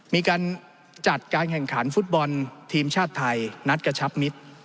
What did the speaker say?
มีการจัดการแข่งขันฟุตบอลทีมชาติไทยนัดกระชับมิตร